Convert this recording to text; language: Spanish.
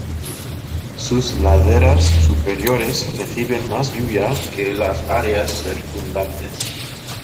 Sus laderas superiores reciben más lluvia que las áreas circundantes.